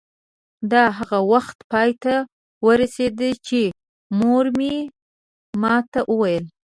دا هغه وخت پای ته ورسېده چې مور مې ما ته وویل.